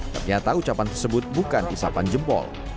ternyata ucapan tersebut bukan isapan jempol